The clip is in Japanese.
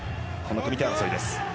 組み手争いです。